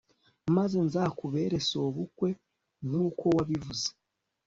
maze nzakubere sobukwe nk'uko wabivuze